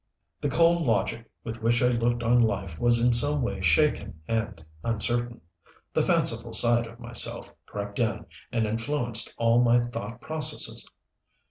The cold logic with which I looked on life was in some way shaken and uncertain. The fanciful side of myself crept in and influenced all my thought processes.